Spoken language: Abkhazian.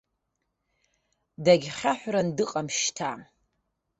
Дагьхьаҳәран дыҟам шьҭа.